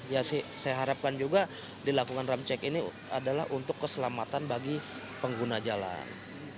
ya saya harapkan juga dilakukan ramcek ini adalah untuk keselamatan bagi pengguna jalan